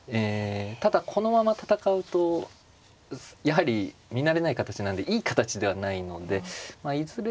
ただこのまま戦うとやはり見慣れない形なんでいい形ではないのでいずれ